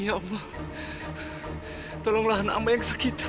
ya allah abah sekarang yang lewatermo